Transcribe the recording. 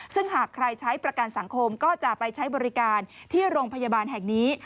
ซึ่งหากใครใช้ประกันสังคมก็จะไปใช้บริการที่โรงพยาบาลแห่งนี้